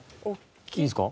いいんですか？